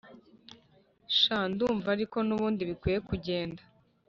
sha ndumva ariko nubundi bikwiye kugenda